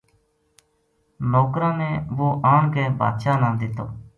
نوکراں نے وہ آن کے بادشاہ نا دیتو